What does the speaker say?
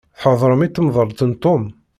Tḥeḍrem i temḍelt n Tom?